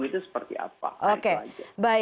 itu seperti apa